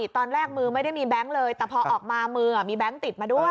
ตอนแรกมือไม่ได้มีแบงค์เลยแต่พอออกมามือมีแบงค์ติดมาด้วย